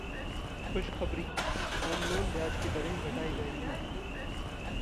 खुशखबरीः home loan ब्याज की दरें घटाई जाएंगी